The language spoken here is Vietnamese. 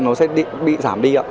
nó sẽ bị giảm đi ạ